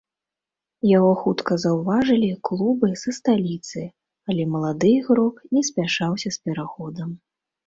Яго хутка заўважылі клубы са сталіцы, але малады ігрок не спяшаўся з пераходам.